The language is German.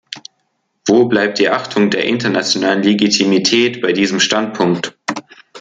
Wo bleibt die Achtung der internationalen Legitimität bei diesem Standpunkt?